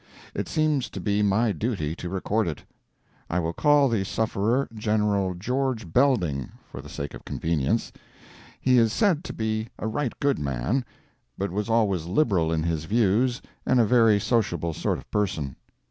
It seems to be my duty to record it. I will call the sufferer General George Belding, for the sake of convenience. He is said to be a right good man, but was always liberal in his views and a very sociable sort of person.